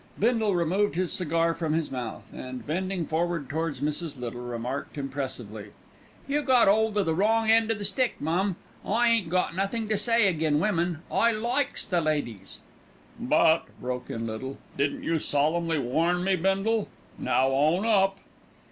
Bindle removed his cigar from his mouth and, bending forward towards Mrs. Little, remarked impressively, "You got 'old o' the wrong end o' the stick, mum. I ain't got nothink to say agin women. I likes the ladies." "But," broke in Little, "didn't you solemnly warn me, Bindle? Now own up."